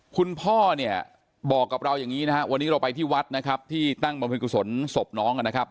คุณพ่อเนี่ยบอกกับเราอย่างนี้นะครับวันนี้เราไปที่วัดนะครับที่ตั้งบรรพิกุศลศพน้องนะครับ